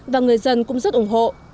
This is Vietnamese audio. và người dân cũng rất ủng hộ